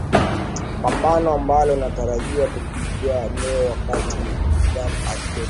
pambano ambao nataraji kupigwa leo wakati wigan athletic